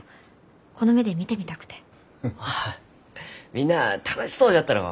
みんなあ楽しそうじゃったろ？